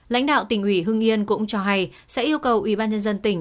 lãnh đạo tỉnh ủy hưng yên cũng cho hay sẽ yêu cầu ubnd tỉnh